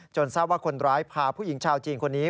ทราบว่าคนร้ายพาผู้หญิงชาวจีนคนนี้